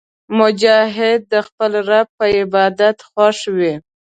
مجاهد د خپل رب په عبادت خوښ وي.